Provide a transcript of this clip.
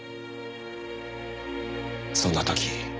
そんな時。